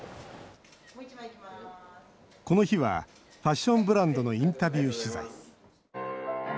この日はファッションブランドのインタビュー取材。